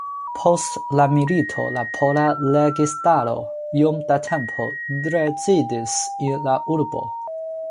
Post la milito la pola registaro iom da tempo rezidis en la urbo.